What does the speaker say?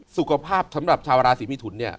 สุขภาพสำหรับชาวราศีมิถุนเนี่ย